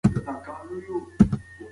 د امبولانس په شاتني سېټ کې څوک و؟